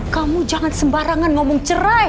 kamu jangan sembarangan ngomong cerai